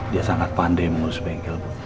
dia sangat pandai mengurus bengkel bu